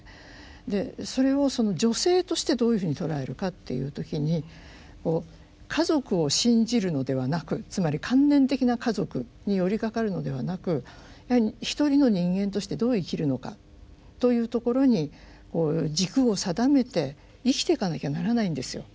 でそれを女性としてどういうふうに捉えるかっていう時に家族を信じるのではなくつまり観念的な家族に寄りかかるのではなくやはり一人の人間としてどう生きるのかというところにこう軸を定めて生きていかなきゃならないんですよ。